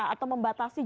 atau membatasi jumlahnya